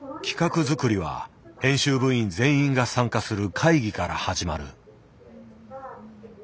企画作りは編集部員全員が参加する会議から始まる。